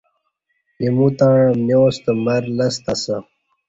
ایمو تݩع امنِیاں ستہ مر لستہ اسہ